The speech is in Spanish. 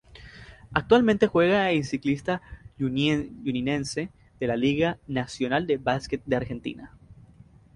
Actualmente juega en Ciclista Juninense de la Liga Nacional de Básquet de Argentina.